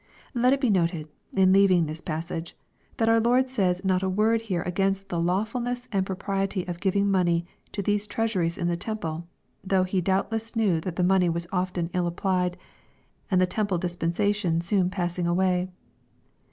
Let it be noted, in leaving this passage, that our Lord says not a word here against the lawfulness and propriety of giving money to these treasuries in the temple, though He doubtless knew that the money was oft; en ill applied, and the temple dis pensation soon passing away.